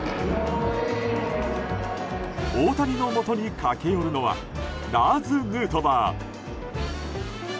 大谷のもとに駆け寄るのはラーズ・ヌートバー。